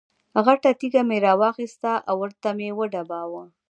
ښه غټه تیږه مې را واخسته او ورته مې یې وډباړه.